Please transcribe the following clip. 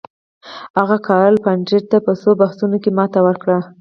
هغه کارل پفاندر ته په څو بحثونو کې ماته ورکړه.